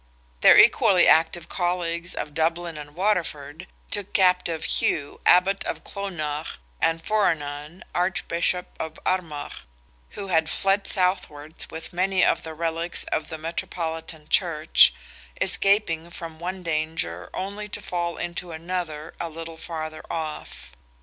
Their equally active colleagues of Dublin and Waterford took captive, Hugh, Abbot of Clonenagh, and Foranan, Archbishop of Armagh, who had fled southwards with many of the relics of the Metropolitan Church, escaping from one danger only to fall into another a little farther off.